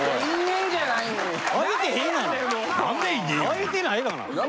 開いてないがな。